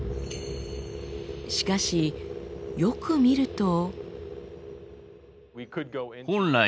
しかしよく見ると。